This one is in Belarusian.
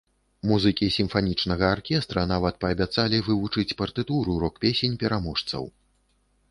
Музыкі сімфанічнага аркестра нават паабяцалі вывучыць партытуру рок-песень пераможцаў.